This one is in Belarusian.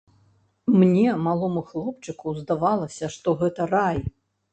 Мне, малому хлопчыку, здавалася, што гэта рай.